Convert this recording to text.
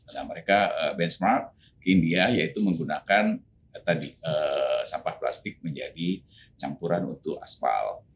nah mereka benchmark ke india yaitu menggunakan sampah plastik menjadi campuran untuk aspal